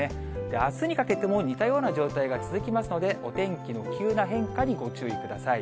あすにかけても似たような状態が続きますので、お天気の急な変化にご注意ください。